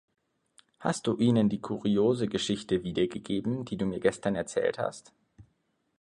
Hast du ihnen die kuriose Geschichte wiedergegeben, die du mir gestern erzählt hast?